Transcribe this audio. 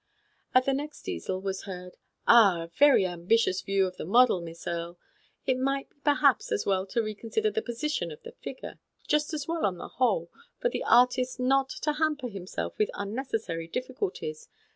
At the next easel was heard : u Ah, a very ambitious view of the model, Mr. Jackson. It might be perhaps as well to reconsider the position of the figure. Just as well, on the whole, for the artist not to hamper himself with unnecessary difficulties.